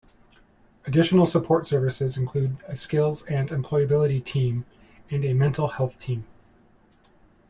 Additional support services include a Skills and Employability Team and a mental health team.